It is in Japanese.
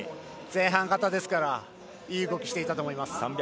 前半型ですからいい動きをしていたと思います。